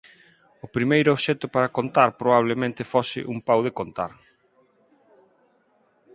O primeiro obxecto para contar probablemente fose un «"pau de contar"».